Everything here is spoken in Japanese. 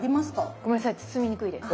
ごめんなさい包みにくいです。